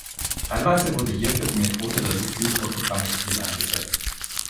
Teilweise wurde hierfür die Methode der Luftbild-Fotogrammetrie eingesetzt.